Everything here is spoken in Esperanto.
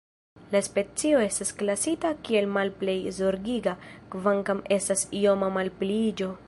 La specio estas klasita kiel Malplej zorgiga, kvankam estas ioma malpliiĝo.